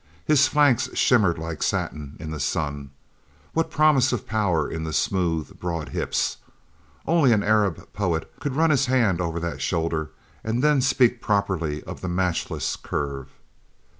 His flanks shimmered like satin in the sun. What promise of power in the smooth, broad hips! Only an Arab poet could run his hand over that shoulder and then speak properly of the matchless curve.